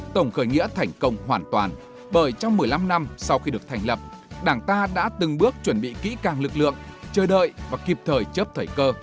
tổng khởi nghĩa thành công hoàn toàn bởi trong một mươi năm năm sau khi được thành lập đảng ta đã từng bước chuẩn bị kỹ càng lực lượng chờ đợi và kịp thời chớp thời cơ